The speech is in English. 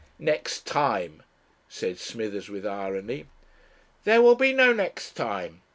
"Next time " said Smithers with irony. "There will be no next time.